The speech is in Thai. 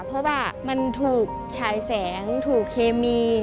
เพราะว่ามันถูกฉายแสงถูกเคมี